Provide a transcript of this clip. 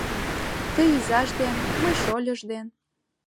Тый изаж ден, мый шольыж ден